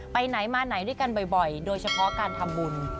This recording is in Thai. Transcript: ไปไหนมาไหนด้วยกันบ่อยโดยเฉพาะการทำบุญ